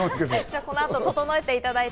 この後、整えていただいて。